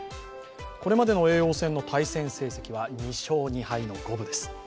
これまでの叡王戦の対戦成績は２勝２敗の五分です。